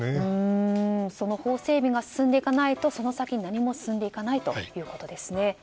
法整備が進んでいかないとその先、何も進んでいかないということですね。